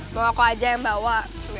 bawa aku aja yang bawa